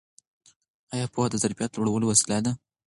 ایا پوهه د ظرفیت لوړولو وسیله ده؟